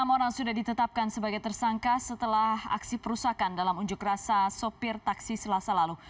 enam orang sudah ditetapkan sebagai tersangka setelah aksi perusahaan dalam unjuk rasa sopir taksi selasa lalu